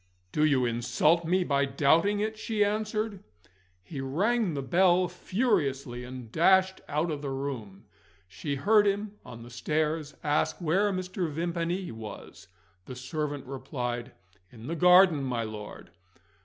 "Do you insult me by doubting it?" she answered. He rang the bell furiously, and dashed out of the room. She heard him, on the stairs, ask where Mr. Vimpany was. The servant replied: "In the garden, my lord."